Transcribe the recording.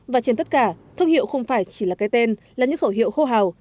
và trên tất cả thương hiệu không phải chỉ là cái tên là những khẩu hiệu khô hào